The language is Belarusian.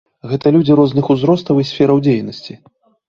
Гэта людзі розных узростаў і сфераў дзейнасці.